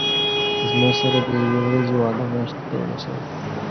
زما سره د یوې ورځې وعده میاشتې ته ورسېده.